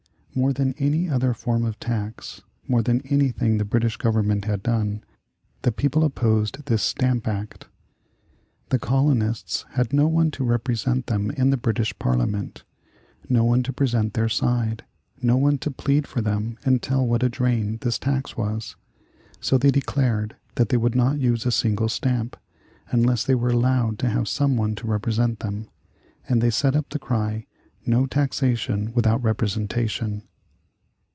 More than any other form of tax, more than anything the British Government had done, the people opposed this Stamp Act. The colonists had no one to represent them in the British Parliament, no one to present their side, no one to plead for them and tell what a drain this tax was, so they declared that they would not use a single stamp, unless they were allowed to have someone to represent them; and they set up the cry, "No Taxation Without Representation."